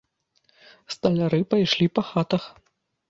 Сталяры пайшлі па хатах.